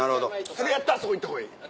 それやったらあそこ行った方がいい？